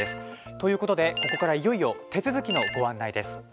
ということで、ここからいよいよ手続きのご案内です。